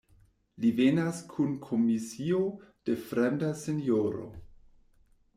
Li venas kun komisio de fremda sinjoro.